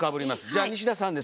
じゃあ西田さんです。